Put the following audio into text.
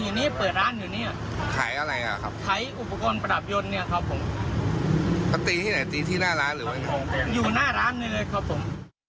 อยู่หน้าร้านนี้เลยครับผม